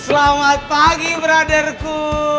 selamat pagi brotherku